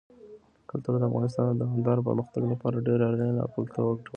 کلتور د افغانستان د دوامداره پرمختګ لپاره ډېر اړین او ګټور دی.